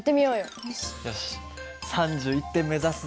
よし３１点目指すぞ。